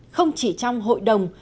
không chỉ trong hội đồng